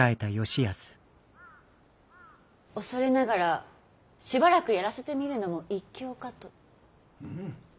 恐れながらしばらくやらせてみるのも一興かと。